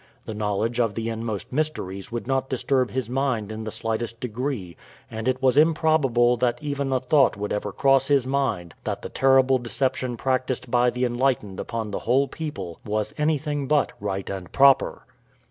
The knowledge of the inmost mysteries would not disturb his mind in the slightest degree, and it was improbable that even a thought would ever cross his mind that the terrible deception practiced by the enlightened upon the whole people was anything but right and proper.